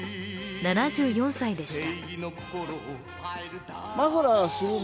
７４歳でした。